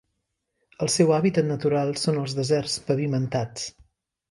El seu hàbitat natural són els deserts pavimentats.